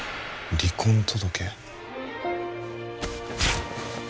離婚届？